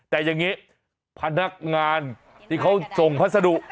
แต่อย่างนี้พนักงานที่เขาส่งพัสดุ